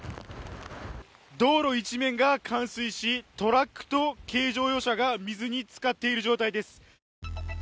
道路一面が冠水し、トラックと軽乗用車が水につかっている状態です。